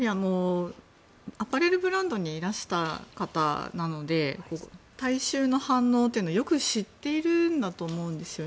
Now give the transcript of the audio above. アパレルブランドにいらした方なので大衆の反応はよく知っていると思うんです。